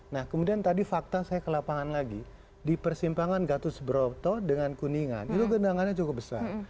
nah kemudian tadi fakta saya ke lapangan lagi di persimpangan gatus broto dengan kuningan itu gendangannya cukup besar